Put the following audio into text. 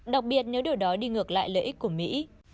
đặc biệt nếu điều đó đi ngược lại lợi ích của mỹ